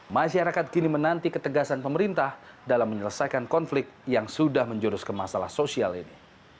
masyarakat kini menanti ketegasan pemerintah dalam menyelesaikan konflik yang sudah menjurus ke masalah sosial ini